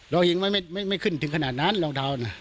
ลองเฮงมันไม่ขึ้นขนาดนั้นลองเท้านนะ